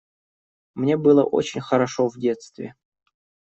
Мне было очень хорошо в детстве.